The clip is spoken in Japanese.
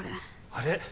あれ？